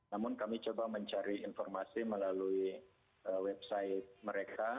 namun kami coba mencari informasi melalui website mereka